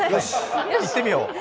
いってみよう。